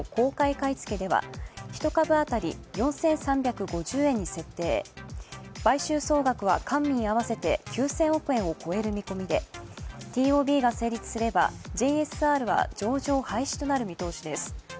買い付けでは１株当たり４３５０円に設定、買収総額は官民合わせて９０００億円を超える見込みでＴＯＢが成立すれば、ＪＳＲは上場廃止となる見通しです。